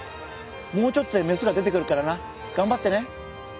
もうちょっとでメスが出てくるからながんばってね。